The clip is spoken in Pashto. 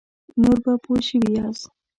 نور به پوه شوي یاست.